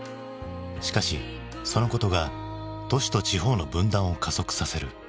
しかしそのことが都市と地方の分断を加速させる。